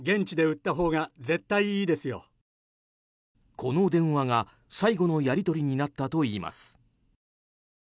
この電話が最後のやり取りになったといいます。